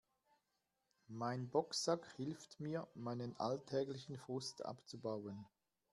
Mein Boxsack hilft mir, meinen alltäglichen Frust abzubauen.